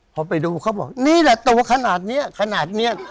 พอไปดูเขาบอกนี่แหละตัวขนาดนี้ขนาดนี้